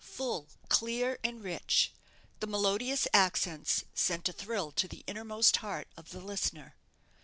Full, clear, and rich, the melodious accents sent a thrill to the innermost heart of the listener.